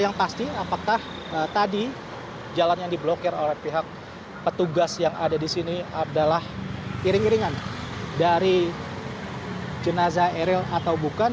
apakah tadi jalan yang di blokir oleh pihak petugas yang ada disini adalah iring iringan dari jenazah eril atau bukan